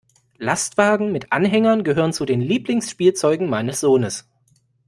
Lastwagen mit Anhängern gehören zu den Lieblingsspielzeugen meines Sohnes.